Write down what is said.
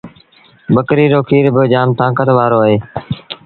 ٻڪريٚ رو کير با جآم تآݩڪت وآرو هوئي دو۔